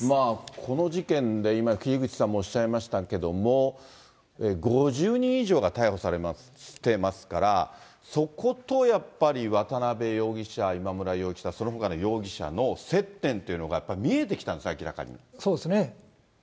この事件で、今、樋口さんもおっしゃいましたけども、５０人以上が逮捕されてますから、そことやっぱり渡辺容疑者、今村容疑者、そのほかの容疑者の接点というのがやっぱり見えてきたんですね、明らかに。